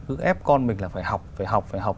ư ép con mình là phải học phải học phải học